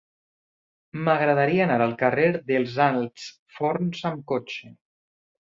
M'agradaria anar al carrer dels Alts Forns amb cotxe.